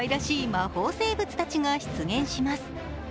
魔法生物たちが出現します。